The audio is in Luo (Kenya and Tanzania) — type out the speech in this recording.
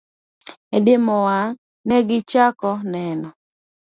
E diemo wang', ne gichako neno!